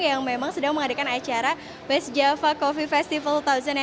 yang memang sedang mengadakan acara west java coffee festival dua ribu tujuh belas